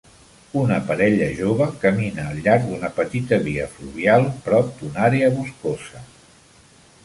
Una parella jove camina al llarg d'una petita via fluvial prop d'una àrea boscosa.